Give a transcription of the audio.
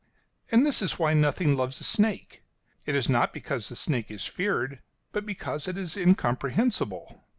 ] And this is why nothing loves a snake. It is not because the snake is feared, but because it is incomprehensible.